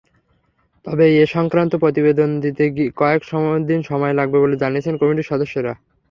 তবে এ-সংক্রান্ত প্রতিবেদন দিতে কয়েক দিন সময় লাগবে বলে জানিয়েছেন কমিটির সদস্যরা।